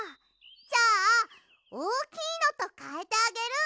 じゃあおおきいのとかえてあげる！